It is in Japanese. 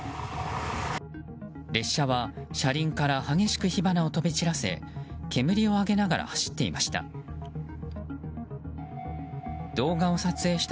列車は車輪から激しく火花を飛び散らせ煙を上げながら走っていました。